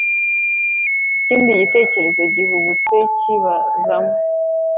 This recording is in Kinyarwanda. ikindi gitekerezo gihubutse kibazamo,